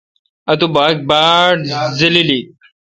اتو باگ باڑزللی۔